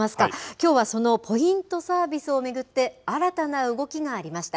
きょうはそのポイントサービスを巡って、新たな動きがありました。